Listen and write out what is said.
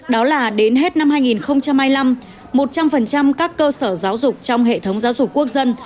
đó là đến hết năm hai nghìn hai mươi năm một trăm linh các cơ sở giáo dục trong hệ thống giáo dục quốc dân